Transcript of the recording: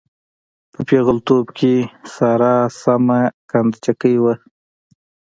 په پېغلتوب کې ساره سمه قند چکۍ وه.